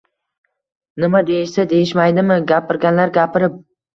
Nima deyishsa, deyishmaydimi, gapirganlar gapirib.